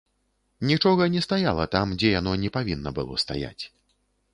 Нічога не стаяла там, дзе яно не павінна было стаяць.